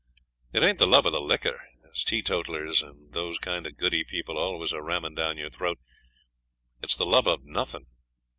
It ain't the love of the liquor, as teetotalers and those kind of goody people always are ramming down your throat it's the love of nothing.